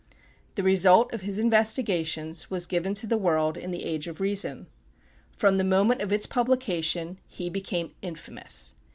The result of his investigations was given to the world in the "Age of Reason." From the moment of its publication he became infamous.